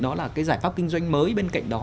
đó là cái giải pháp kinh doanh mới bên cạnh đó